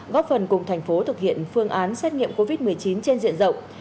góp phần cùng thành phố thực hiện phương án xét nghiệm covid một mươi chín trên diện rộng